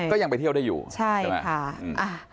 ก็ยังไปเที่ยวได้อยู่ใช่ไหม